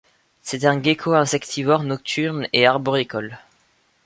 C'est un gecko insectivore nocturne et arboricole.